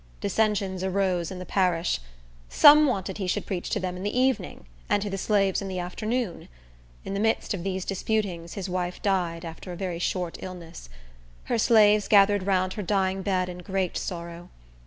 Dissensions arose in the parish. Some wanted he should preach to them in the evening, and to the slaves in the afternoon. In the midst of these disputings his wife died, after a very short illness. Her slaves gathered round her dying bed in great sorrow.